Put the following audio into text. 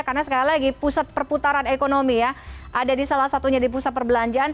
karena sekali lagi pusat perputaran ekonomi ya ada di salah satunya di pusat pembelanjaan